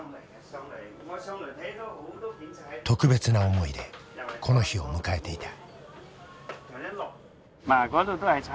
特別な思いでこの日を迎えていた。